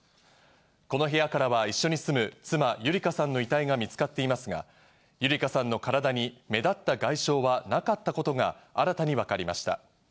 この部屋からは一緒に住む妻・優理香さんの遺体が見つかっていますが、優理香さんの体に目立った外傷はなかったことが新たに分かりました。